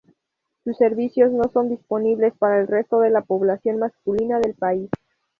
Sus servicios no son disponibles para el resto de la población masculina del país.